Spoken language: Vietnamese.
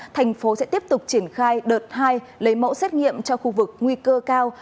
thành phố sẽ tiếp tục triển khai đợt hai lấy mẫu xét nghiệm cho khu vực nguy cơ cao